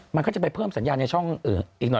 มันก็จะไปเพิ่มสัญญาณในช่องอีกหน่อย